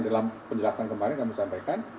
dalam penjelasan kemarin kami sampaikan